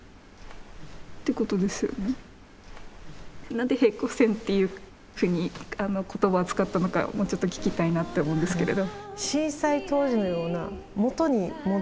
何で「平行線」っていうふうに言葉使ったのかもうちょっと聞きたいなって思うんですけれど。